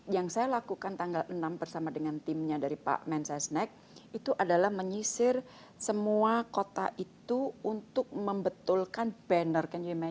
yang saya lakukan tanggal enam bersama dengan timnya dari pak mensesnek itu adalah menyisir semua kota itu untuk membetulkan banner